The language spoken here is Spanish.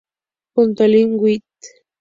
Junto a Lynn White Jr.